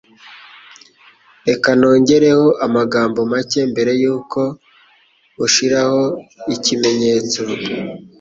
Reka nongereho amagambo make mbere yuko ushiraho ikimenyetso.